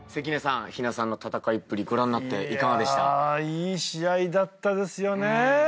いい試合だったですよね。